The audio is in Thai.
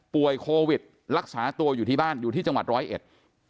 โควิดรักษาตัวอยู่ที่บ้านอยู่ที่จังหวัดร้อยเอ็ด